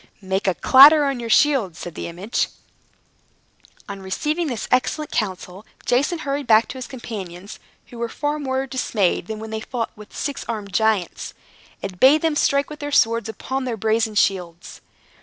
"Make a clatter on your shields," said the image. On receiving this excellent counsel, Jason hurried back to his companions (who were far more dismayed than when they fought with the six armed giants), and bade them strike with their swords upon their brazen shields.